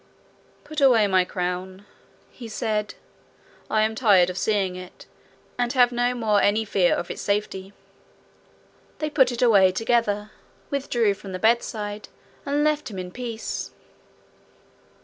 'Put away my crown,' he said. 'I am tired of seeing it, and have no more any fear of its safety.' They put it away together, withdrew from the bedside, and left him in peace.